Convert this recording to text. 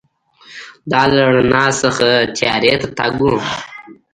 دا له رڼا څخه تیارې ته تګ و.